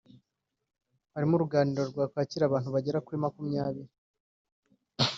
harimo uruganiriro rwakwakira abantu bagera kuri makumyabiri